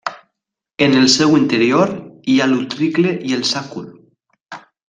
En el seu interior hi ha l'utricle i el sàcul.